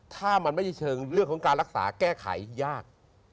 ถ้ามันไม่ใช่เชิงเรื่องของการรักษาแก้ไขยาก